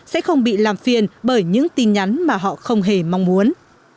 sẽ không bị làm phiền bởi những tin nhắn mà họ không hề mong muốn